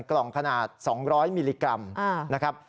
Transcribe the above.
กล่องขนาด๒๐๐มิลลิกรัมนะครับ